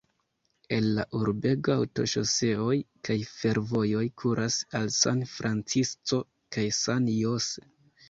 El la urbego aŭtoŝoseoj kaj fervojoj kuras al San Francisco kaj San Jose.